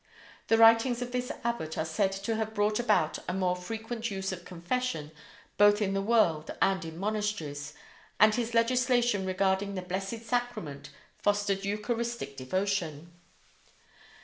The writings of this abbot are said to have brought about a more frequent use of confession both in the world and in monasteries; and his legislation regarding the Blessed Sacrament fostered eucharistic devotion.